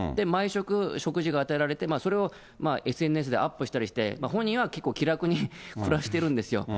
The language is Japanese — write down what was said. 毎食、食事が与えられて、それをＳＮＳでアップしたりして、本人は結構、気楽に暮らしてるんですよ。